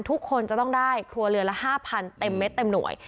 ทุกคนจะต้องได้ครัวเรือนละ๕๐๐เต็มเม็ดเต็มหน่วย